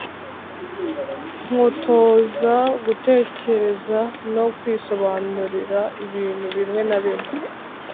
kuntoza gutekereza no kwisobanurira ibintu bimwe na bimwe.